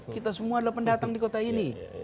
kita semua adalah pendatang di kota ini